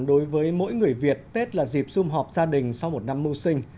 đối với mỗi người việt tết là dịp xung họp gia đình sau một năm mưu sinh